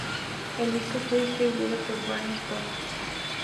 El disco fue distribuido por Warner Bros.